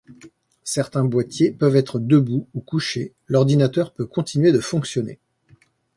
Certains boîtiers peuvent être debout ou couché, l'ordinateur peut continuer de fonctionner.